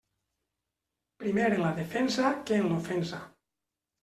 Primer en la defensa que en l'ofensa.